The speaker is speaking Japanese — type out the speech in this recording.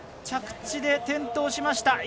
着地で転倒しました。